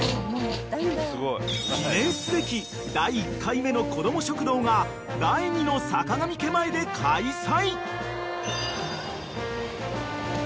［記念すべき第１回目のこども食堂が第２のさかがみ家前で開催］